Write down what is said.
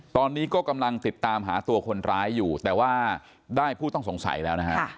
ตอนนี้ก็กำลังติดตามหาตัวคนร้ายอยู่แต่ว่าได้ผู้ต้องสงสัยแล้วนะฮะ